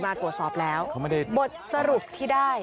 มาตรวจสอบแล้วบทสรุปที่ได้